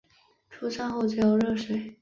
出站后只有热水